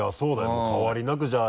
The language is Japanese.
もう変わりなくじゃあ